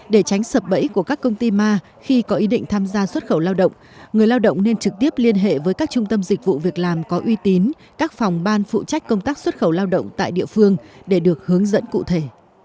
để tránh sập bẫy của các công ty ma khi có ý định tham gia xuất khẩu lao động người lao động nên trực tiếp liên hệ với các trung tâm dịch vụ việc làm có uy tín các phòng ban phụ trách công tác xuất khẩu lao động tại địa phương để được hướng dẫn cụ thể